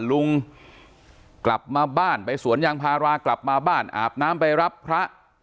ลุงกลับมาบ้านไปสวนยางพารากลับมาบ้านอาบน้ำไปรับพระ